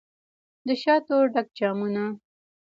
دشاتو ډک جامونه